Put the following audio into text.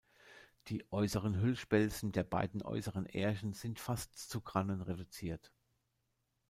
Die äußeren Hüllspelzen der beiden äußeren Ährchen sind fast zu Grannen reduziert.